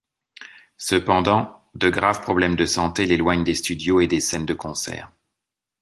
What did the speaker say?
Cependant, de graves problèmes de santé l’éloignent des studios et des scènes de concert.